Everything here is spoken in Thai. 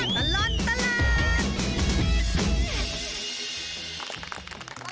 ชั่วตลอดตลาด